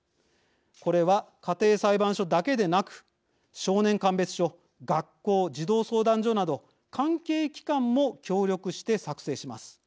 これは家庭裁判所だけでなく少年鑑別所学校児童相談所など関係機関も協力して作成します。